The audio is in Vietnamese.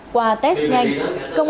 qua test nhanh